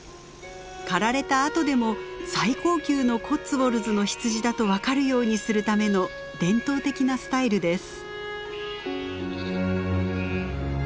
刈られたあとでも最高級のコッツウォルズの羊だと分かるようにするための伝統的なスタイルです。